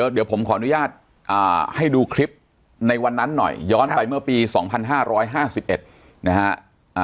เดี๋ยวผมขออนุญาตให้ดูคลิปในวันนั้นหน่อยย้อนไปเมื่อปี๒๕๕๑นะฮะ